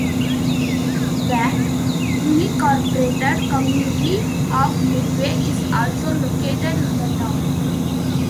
The unincorporated community of Midway is also located in the town.